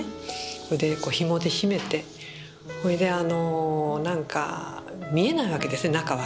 それでひもで締めてそれで何か見えないわけですね中は。